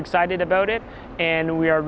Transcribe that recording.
saya sangat teruja dengan ini